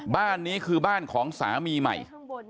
บ้านนี้คือบ้านของสามีใหม่